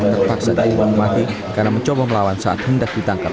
terpaksa dihukum mati karena mencoba melawan saat hendak ditangkap